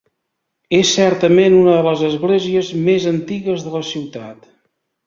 És certament una de les esglésies més antigues de la ciutat.